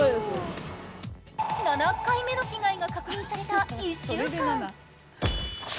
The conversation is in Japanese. ７回目の被害が確認された１週間。